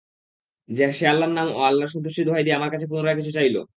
সে আল্লাহর নামে ও আল্লাহর সন্তুষ্টির দোহাই দিয়ে আমার কাছে পুনরায় কিছু চাইল।